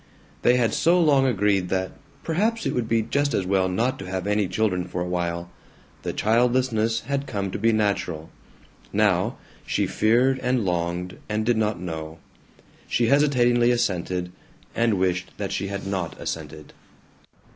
They had so long agreed that "perhaps it would be just as well not to have any children for a while yet," that childlessness had come to be natural. Now, she feared and longed and did not know; she hesitatingly assented, and wished that she had not assented.